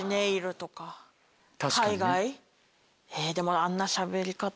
海外えぇでもあんなしゃべり方。